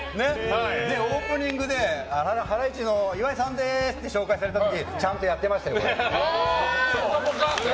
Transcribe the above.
オープニングでハライチの岩井さんですって紹介された時ちゃんとやってましたよ。